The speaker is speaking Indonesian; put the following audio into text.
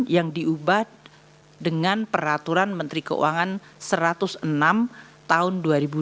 yang diubah dengan peraturan menteri keuangan satu ratus enam tahun dua ribu dua puluh